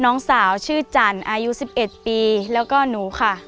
น้องสาวชื่อจันทร์อายุ๑๑ปีแล้วก็หนูค่ะ